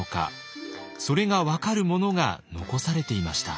それが分かるものが残されていました。